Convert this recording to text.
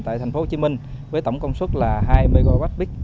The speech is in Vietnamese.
tại tp hcm với tổng công suất là hai mwp